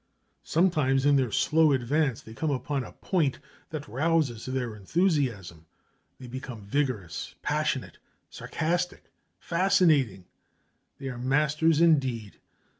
Sometimes in their slow advance they come upon a point that rouses their enthusiasm; they become vigorous, passionate, sarcastic, fascinating, they are masters indeed.